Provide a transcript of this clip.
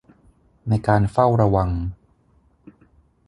ในการเฝ้าระวัง